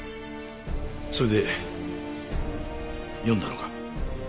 それで読んだのか？